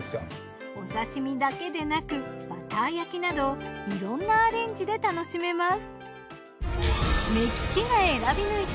お刺身だけでなくバター焼きなどいろんなアレンジで楽しめます。